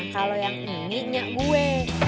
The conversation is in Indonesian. kalau yang ini gue